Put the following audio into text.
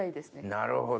なるほど。